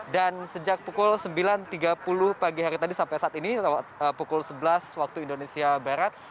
dan sejak pukul sembilan tiga puluh pagi hari tadi sampai saat ini pukul sebelas waktu indonesia barat